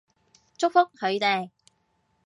祝福佢哋